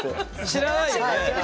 知らないよね？